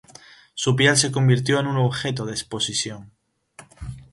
Su piel se convirtió en objeto de exposición.